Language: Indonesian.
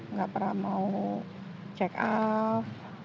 nggak pernah mau check up